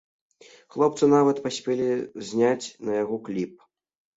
Хлопцы нават паспелі зняць на яго кліп.